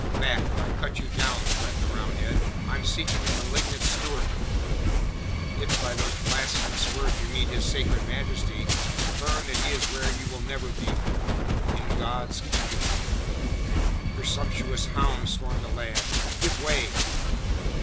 "Back, or I cut you down," threatened the Roundhead. "I am seeking the malignant Stuart." "If by those blasphemous words you mean his sacred Majesty, learn that he is where you will never be in God's keeping." "Presumptuous hound," stormed the lad, "giveway!"